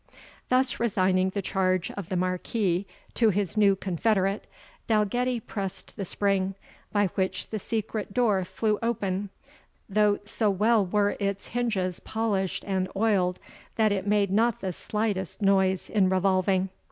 Thus resigning the charge of the Marquis to his new confederate, Dalgetty pressed the spring, by which the secret door flew open, though so well were its hinges polished and oiled, that it made not the slightest noise in revolving.